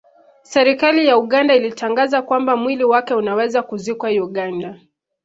Serikali ya Uganda ilitangaza kwamba mwili wake unaweza kuzikwa Uganda